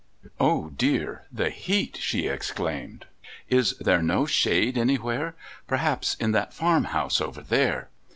"Oh, dear, the heat!" she exclaimed. "Is there no shade anywhere? Perhaps in that farm house over there..."